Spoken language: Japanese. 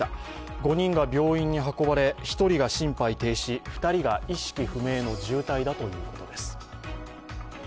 ５人が病院に運ばれ、１人が心肺停止２人が意識不明の重体だということです。